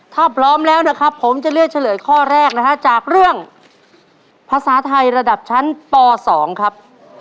ถ้าพร้อมแล้วนะครับผมจะเลือกเฉลยข้อแรกนะฮะจากเรื่องภาษาไทยระดับชั้นป๒ครับ